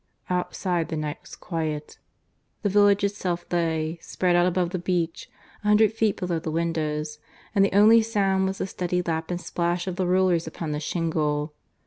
Outside the night was quiet. The village itself lay, spread out above the beach, a hundred feet below the windows, and the only sound was the steady lap and splash of the rollers upon the shingle.